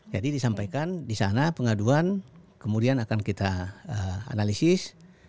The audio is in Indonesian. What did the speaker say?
jadi disampaikan di sana pengaduan kemudian akan kita analisis